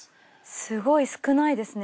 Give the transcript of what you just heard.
すごい少ないですね